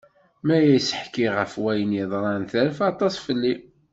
Mi as-ḥkiɣ ɣef wayen i yeḍran terfa aṭas fell-i.